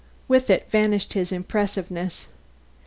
With it vanished his impressiveness.